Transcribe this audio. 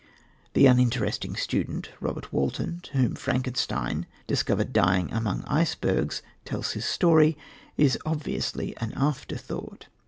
The uninteresting student, Robert Walton, to whom Frankenstein, discovered dying among icebergs, tells his story, is obviously an afterthought.